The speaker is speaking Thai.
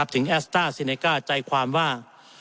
แอสต้าซีเนก้าใจความว่า